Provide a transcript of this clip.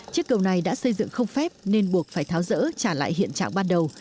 chiếc cầu này đã xây dựng không phép nên buộc phải tháo rỡ trả lại hiện trạng ban đầu